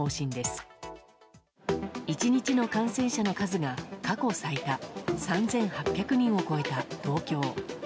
１日の感染者の数が過去最多３８００人を超えた東京。